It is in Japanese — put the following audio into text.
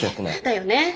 だよね。